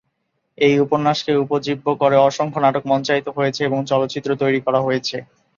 এই উপন্যাসকে উপজীব্য করে অসংখ্য নাটক মঞ্চায়িত হয়েছে এবং চলচ্চিত্র তৈরি করা হয়েছে।